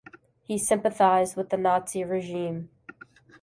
He sympathized with the Nazi regime.